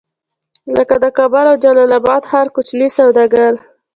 لکه د کابل او جلال اباد ښار کوچني سوداګر.